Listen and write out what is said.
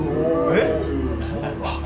えっ！